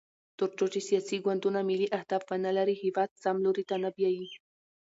تر څو چې سیاسي ګوندونه ملي اهداف ونلري، هېواد سم لوري ته نه بیايي.